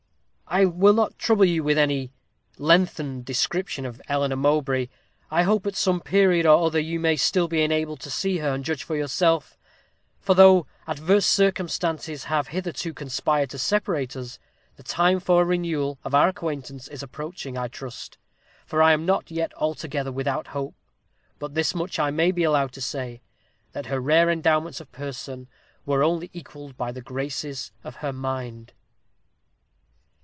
"I will not trouble you with any lengthened description of Eleanor Mowbray. I hope, at some period or other, you may still be enabled to see her, and judge for yourself; for though adverse circumstances have hitherto conspired to separate us, the time for a renewal of our acquaintance is approaching, I trust, for I am not yet altogether without hope. But this much I may be allowed to say, that her rare endowments of person were only equalled by the graces of her mind.